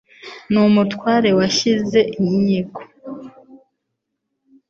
N' umutware washinzwe inkiko.